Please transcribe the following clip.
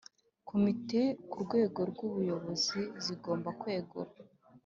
Komitezo ku rwego rw buyobozi zigomba kwegura